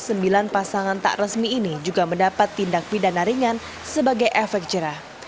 sembilan pasangan tak resmi ini juga mendapat tindak pidana ringan sebagai efek jerah